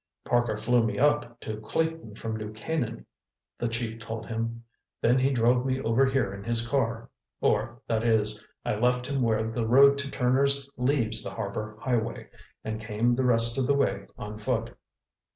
"Parker flew me up to Clayton from New Canaan," the chief told him. "Then he drove me over here in his car—or that is, I left him where the road to Turner's leaves the Harbor Highway, and came the rest of the way on foot."